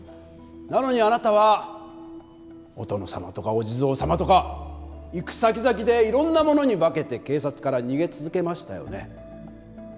なのにあなたはお殿様とかお地蔵様とか行くさきざきでいろんなものに化けて警察から逃げ続けましたよね。